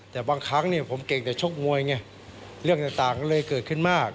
แต่บางครั้งเนี่ยผมเก่งแต่ชกมวยไงเรื่องต่างเลยเกิดขึ้นมาก